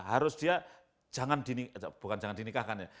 harus dia jangan di nikahkan ya